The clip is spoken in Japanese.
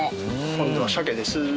今度は鮭です。